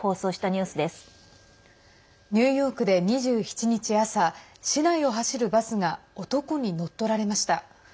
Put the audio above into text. ニューヨークで２７日朝市内を走るバスが男に乗っ取られました。